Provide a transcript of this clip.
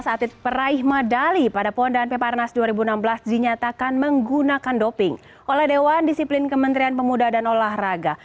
empat belas atlet peraih medali pada pon dan peparnas dua ribu enam belas dinyatakan menggunakan doping oleh dewan disiplin kementerian pemuda dan olahraga